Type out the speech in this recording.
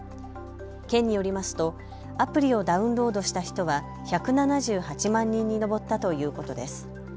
県によりますとアプリをダウンロードした人は１７８万人に上ったということです。